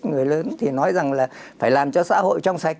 người lớn thì nói rằng là phải làm cho xã hội trong sạch